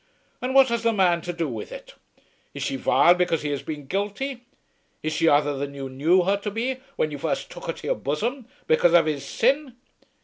And what has the man to do with it? Is she vile because he has been guilty? Is she other than you knew her to be when you first took her to your bosom, because of his sin?"